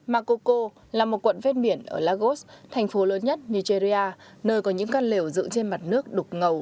bà kokun không đủ tiền mua màn có tẩm thuốc diệt côn trùng